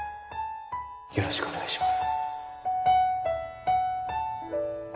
よろしくお願いします